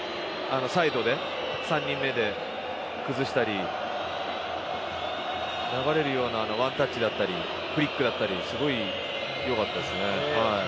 サイドで３人目で崩したり流れるようなワンタッチだったりフリックだったりすごい、良かったですね。